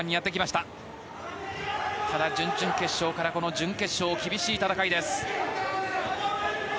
ただ、準々決勝からこの準決勝厳しい戦いです。